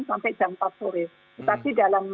sampai jam empat sore tapi dalam